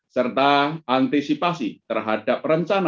serta antisipasi terhadap rencana